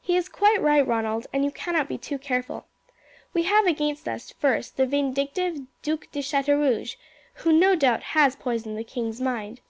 "He is quite right, Ronald, and you cannot be too careful. We have against us, first, this vindictive Duc de Chateaurouge, who, no doubt, has poisoned the king's mind.